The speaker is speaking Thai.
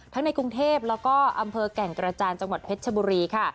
ในกรุงเทพแล้วก็อำเภอแก่งกระจานจังหวัดเพชรชบุรีค่ะ